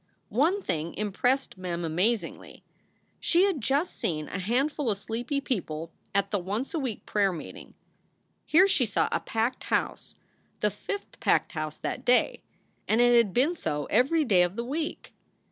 One thing impressed Mem amazingly. She had just seen a handful of sleepy people at the once a week prayer meet ing. Here she saw a packed house, the fifth packed house that day, and it had been so every day of the week.